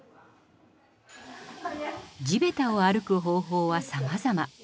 地べたを歩く方法はさまざま。